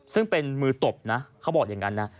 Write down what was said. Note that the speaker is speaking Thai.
ซึ่งเป็นมือตบนะเขาบอกอย่างนั้นนะ